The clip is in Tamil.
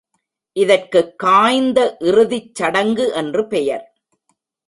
இதற்குக் காய்ந்த இறுதிச் சடங்கு என்று பெயர்.